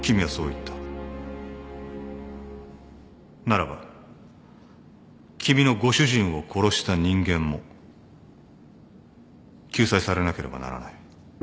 ならば君のご主人を殺した人間も救済されなければならない。